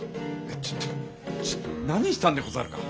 ちょっとちょ何したんでござるか？